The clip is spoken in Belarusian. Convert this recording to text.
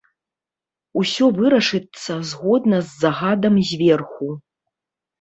Усё вырашыцца згодна з загадам зверху.